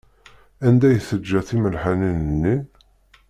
Anda i teǧǧa timelḥanin-nni?